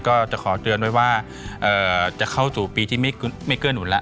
ก็จะขอเตือนไว้ว่าจะเข้าสู่ปีที่ไม่เกื้อหนุนแล้ว